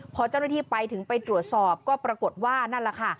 พอเจ้าหน้าที่ไปถึงไปตรวจสอบก็ปรากฏว่านั่นแหละค่ะ